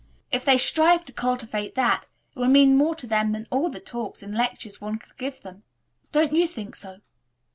If they strive to cultivate that, it will mean more to them than all the talks and lectures one could give them. Don't you think so?"